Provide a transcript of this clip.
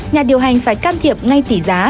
nhà điều hành phải can thiệp ngay tỷ giá